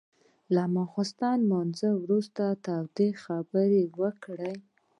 له ماخستن لمونځ وروسته تودې خبرې وکړې.